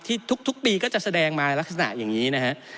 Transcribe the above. ทุกปีก็จะแสดงมาลักษณะอย่างนี้นะฮะ